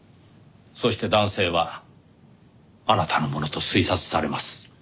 そして男性はあなたのものと推察されます。